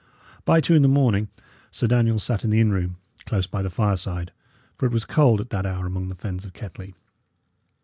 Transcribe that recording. By two in the morning, Sir Daniel sat in the inn room, close by the fireside, for it was cold at that hour among the fens of Kettley.